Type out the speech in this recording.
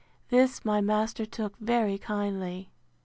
This my master took very kindly.